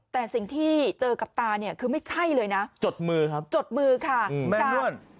แต่สิ่งที่เจอกับตาเนี่ยคือไม่ใช่เลยนะจดมือครับจดมือค่ะการ